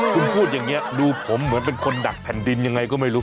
คุณพูดอย่างนี้ดูผมเหมือนเป็นคนดักแผ่นดินยังไงก็ไม่รู้